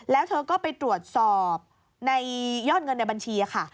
แล้วเธอก็ไปตรวจสอบในยอดเงินในบัญชีค่ะ